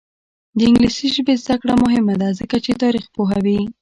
د انګلیسي ژبې زده کړه مهمه ده ځکه چې تاریخ پوهوي.